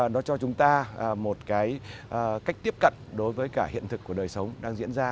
nó cho chúng ta một cái cách tiếp cận đối với cả hiện thực của đời sống đang diễn ra